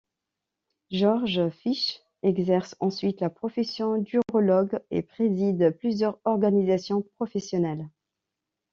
George Fish exerce ensuite la profession d'urologue et préside plusieurs organisations professionnelles.